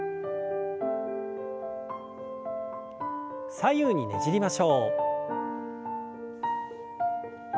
左右にねじりましょう。